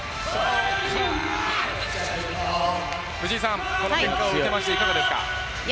藤井さん、この結果を受けていかがですか。